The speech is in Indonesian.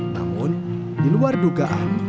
namun di luar dugaan